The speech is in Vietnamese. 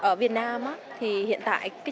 ở việt nam hiện tại